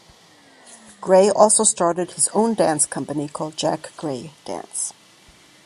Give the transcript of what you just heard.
Gray also started his own dance company called Jack Gray Dance.